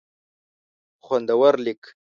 خوندور لیک